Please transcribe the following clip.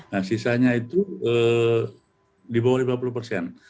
nah sisanya itu di bawah lima puluh persen